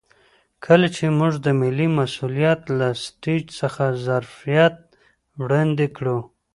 کله چې موږ د ملي مسوولیت له سټیج څخه ظرفیت وړاندې کړو.